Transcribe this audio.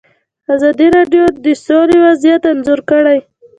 ازادي راډیو د سوله وضعیت انځور کړی.